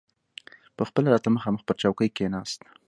پخپله راته مخامخ پر چوکۍ کښېناست.